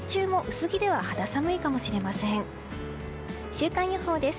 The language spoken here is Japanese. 週間予報です。